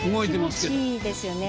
気持ちいいですよね。